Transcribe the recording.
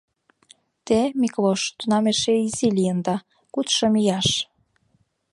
Те, Миклош, тунам эше изи лийында, куд-шым ияш.